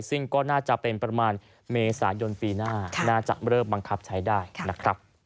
ซึ่งก็น่าจะเป็นประมาณเมษายนปีหน้าน่าจะเริ่มบังคับใช้ได้นะครับ